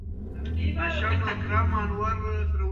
خپلې غصې کنټرول کړئ.